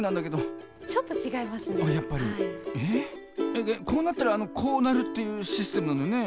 ええっこうなったらこうなるっていうシステムなのよね？